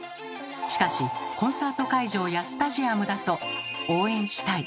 しかしコンサート会場やスタジアムだと「応援したい！」